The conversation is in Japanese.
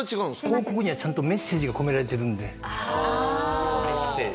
広告にはちゃんとメッセージが込められてるので。